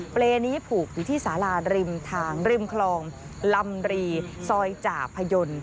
เปรย์นี้ผูกอยู่ที่สาราริมทางริมคลองลำรีซอยจ่าพยนต์